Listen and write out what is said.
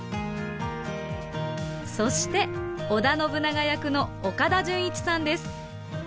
そして織田信長役の岡田准一さんです。